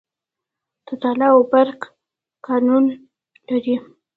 د تاله او برفک کانونه لري